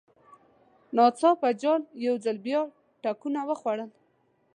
ناڅاپه جال یو ځل بیا ټکانونه وخوړل.